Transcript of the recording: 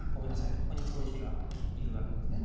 ここに黒石がいるわけですね。